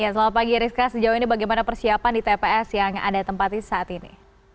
selamat pagi rizka sejauh ini bagaimana persiapan di tps yang anda tempati saat ini